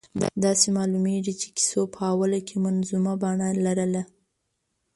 داسې معلومېږي چې کیسو په اوله کې منظومه بڼه لرله.